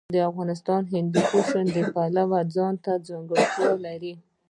افغانستان د هندوکش د پلوه ځانته ځانګړتیا لري.